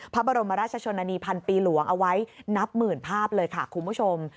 พระบรมราชชนนานีพันปีหลวงเอาไว้นับหมื่นภาพเลยค่ะคุณผู้ชม